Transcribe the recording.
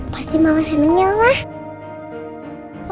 pasti mama senangnya oma